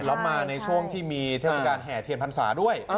แล้วมาในช่วงที่มีเทศกาลแห่เทียนพรรษาด้วย